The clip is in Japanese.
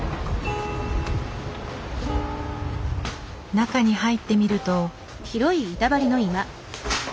中に入ってみると。